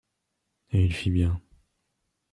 Et il fit bien